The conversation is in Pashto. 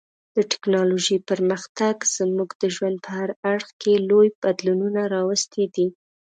د ټکنالوژۍ پرمختګ زموږ د ژوند په هر اړخ کې لوی بدلونونه راوستي دي.